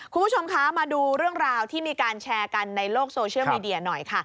คุณผู้ชมคะมาดูเรื่องราวที่มีการแชร์กันในโลกโซเชียลมีเดียหน่อยค่ะ